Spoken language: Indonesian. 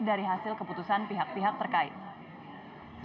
dari hasil keputusan pihak pihak terkait